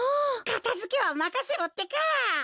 かたづけはまかせろってか！